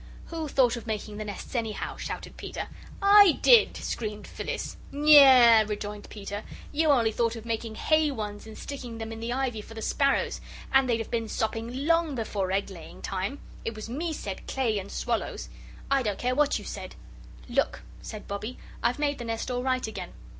"Who thought of making the nests, anyhow?" shouted Peter. "I did," screamed Phyllis. "Nya," rejoined Peter, "you only thought of making hay ones and sticking them in the ivy for the sparrows, and they'd have been sopping LONG before egg laying time. It was me said clay and swallows." "I don't care what you said." "Look," said Bobbie, "I've made the nest all right again.